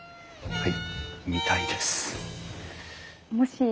はい。